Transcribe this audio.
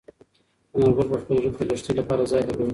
انارګل په خپل زړه کې د لښتې لپاره ځای درلود.